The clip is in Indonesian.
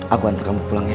aku hantar kamu pulang ya